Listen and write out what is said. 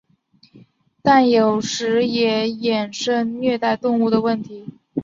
但有时也衍生虐待动物问题。